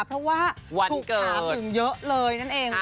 เพราะว่าถูกถามถึงเยอะเลยนั่นเอง